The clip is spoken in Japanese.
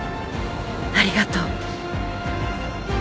ありがとう。